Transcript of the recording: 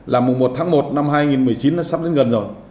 là mùa một tháng một năm hai nghìn một mươi chín nó sắp đến gần rồi